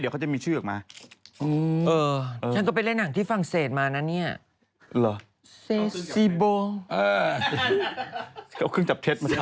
ใครอ่ะ